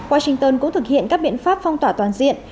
washington cũng thực hiện các biện pháp phong tỏa toàn diện